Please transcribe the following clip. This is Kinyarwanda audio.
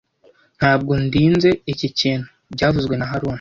Ntabwo ndinze iki kintu byavuzwe na haruna